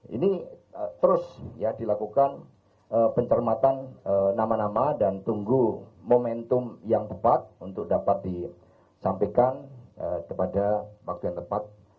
ini terus ya dilakukan pencermatan nama nama dan tunggu momentum yang tepat untuk dapat disampaikan kepada waktu yang tepat